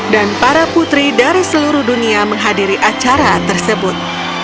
dan para putri dari seluruh dunia menghadiri acara tersebut